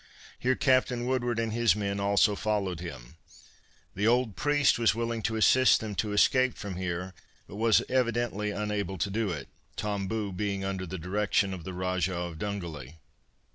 Here Captain Woodward and his men also followed him. The old priest was willing to assist them to escape from here, but was evidently unable to do it. Tomboo being under the direction of the Rajah of Dungally.